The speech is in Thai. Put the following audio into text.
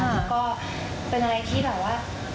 แล้วก็เป็นอะไรที่แบบว่า